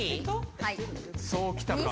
はい。